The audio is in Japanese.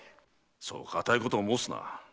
そう堅いことを申すな。